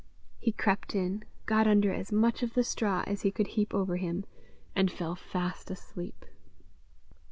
He crept in, got under as much of the straw as he could heap over him, and fell fast asleep.